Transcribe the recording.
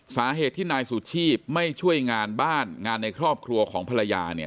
สาเหตุที่นายสุชีพไม่ช่วยงานบ้านงานในครอบครัวของภรรยาเนี่ย